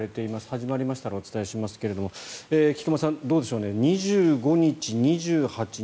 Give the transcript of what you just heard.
始まりましたらお伝えしますけれども菊間さん、どうでしょう２５日、２８日、２９日